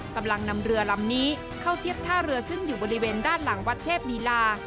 กำลังนำเรือลำนี้เข้าเทียบท่าเรือซึ่งอยู่บริเวณด้านหลังวัดเทพลีลา